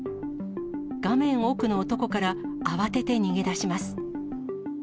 画面奥の男から慌てて逃げ出します。